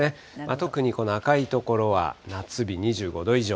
特にこの赤い所は夏日、２５度以上。